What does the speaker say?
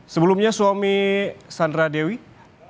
sebelumnya suami sandra dewi harvey muiz ditetapkan sebagai tersangka